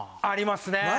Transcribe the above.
ありますね。